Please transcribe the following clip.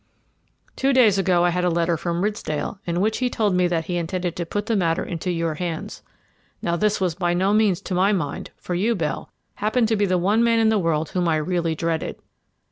"Two days ago I had a letter from Ridsdale in which he told me that he intended to put the matter into your hands. Now this was by no means to my mind, for you, Bell, happened to be the one man in the world whom I really dreaded.